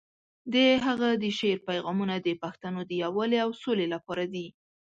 د هغه د شعر پیغامونه د پښتنو د یووالي او سولې لپاره دي.